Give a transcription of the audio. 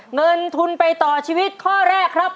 เงินทุนไปต่อชีวิตข้อแรกครับ